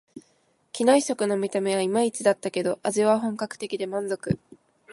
機内食の見た目はいまいちだったけど、味は本格的で満足